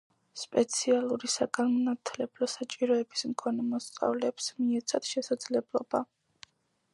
სპეციალური საგანმანათლებლო საჭიროების მქონე მოსწავლეებს მიეცათ შესაძლებლობა